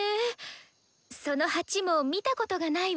その鉢も見たことがないわ。